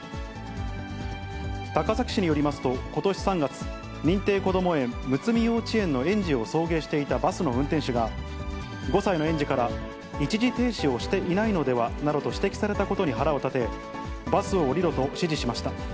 高崎市によりますと、ことし３月、認定こども園、むつみ幼稚園の園児を送迎していたバスの運転手が、５歳の園児から一時停止をしていないのではなどと指摘されたことに腹を立て、バスを降りろと指示しました。